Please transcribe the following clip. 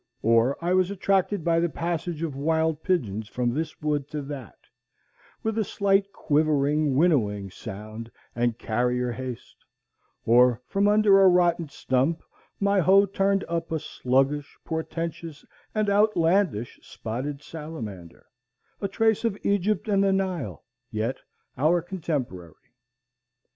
Or I was attracted by the passage of wild pigeons from this wood to that, with a slight quivering winnowing sound and carrier haste; or from under a rotten stump my hoe turned up a sluggish portentous and outlandish spotted salamander, a trace of Egypt and the Nile, yet our contemporary.